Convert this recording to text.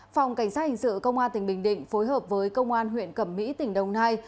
phòng cảnh sát hình sự công an tỉnh bình định phối hợp với công an huyện cẩm mỹ tỉnh đồng nai